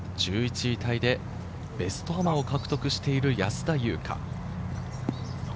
１１位タイでベストアマを獲得している安田祐香。